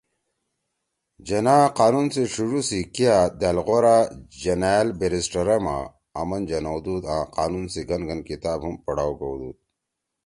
جناح قانون سی ڇھیڙُو سی کیا دأل غورا جنأل بیرسٹرا ما آمن جنؤدُود آں قانون سی گھن گھن کتاب ہُم پڑھاؤ کؤدُود